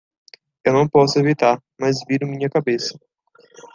Eu não posso evitar, mas viro minha cabeça.